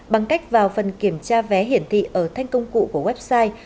bằng cách vào phần kiểm tra vé hiển thị ở thanh công cụ của website